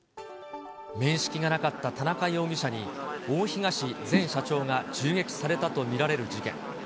面識がなかった田中容疑者に、大東前社長が銃撃されたと見られる事件。